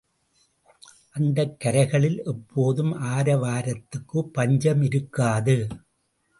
அந்தக் கரைகளில் எப்போதும் ஆரவாரத்துக்குப் பஞ்சமிருக்காது.